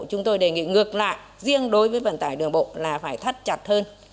chúng tôi đề nghị ngược lại riêng đối với vận tải đường bộ là phải thắt chặt hơn